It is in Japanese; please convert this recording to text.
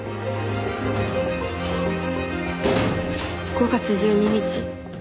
「５月１２日」